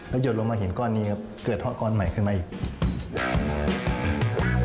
หยดลงมาเห็นก้อนนี้ครับเกิดเพราะก้อนใหม่ขึ้นมาอีก